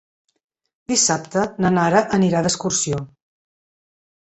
Dissabte na Nara anirà d'excursió.